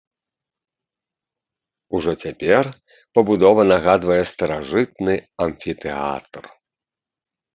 Ужо цяпер пабудова нагадвае старажытны амфітэатр.